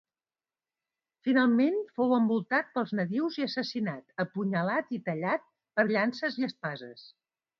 Finalment fou envoltat pels nadius i assassinat, apunyalat i tallat per llances i espases.